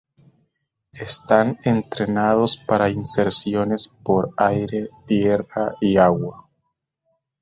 Están entrenados para inserciones por aire, tierra y agua.